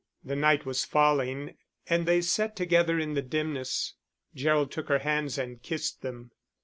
The night was falling and they sat together in the dimness. Gerald took her hands and kissed them.